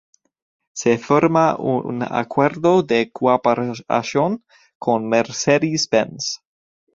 Se firma un acuerdo de cooperación con Mercedes-Benz.